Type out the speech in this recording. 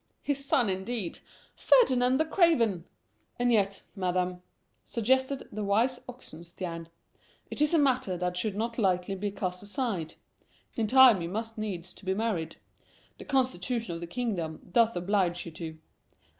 His son, indeed! Ferdinand the Craven!" "And yet, Madam," suggested the wise Oxenstiern, "it is a matter that should not lightly be cast aside. In time you must needs be married. The constitution of the kingdom doth oblige you to."